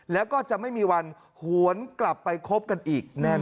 แล้วก็จะไม่มีวันหวนกลับไปคบกันอีกแน่นอ